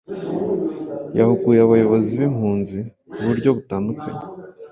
yahuguye abayobozi b’ impunzi ku buryo butandukanye